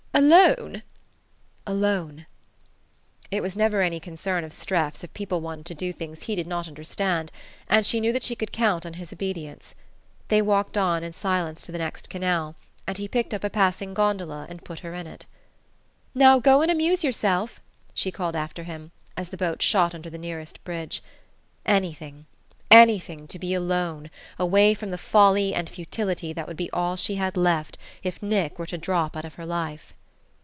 "Alone?" "Alone." It was never any concern of Streff's if people wanted to do things he did not understand, and she knew that she could count on his obedience. They walked on in silence to the next canal, and he picked up a passing gondola and put her in it. "Now go and amuse yourself," she called after him, as the boat shot under the nearest bridge. Anything, anything, to be alone, away from the folly and futility that would be all she had left if Nick were to drop out of her life....